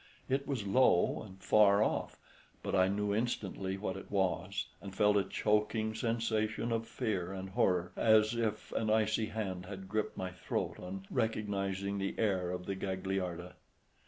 It was low and far off, but I knew instantly what it was, and felt a choking sensation of fear and horror, as if an icy hand had gripped my throat, on recognising the air of the Gagliarda.